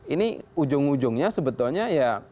ini ujung ujungnya sebetulnya